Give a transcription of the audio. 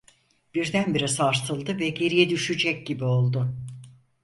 Birdenbire sarsıldı ve geriye düşecek gibi oldu.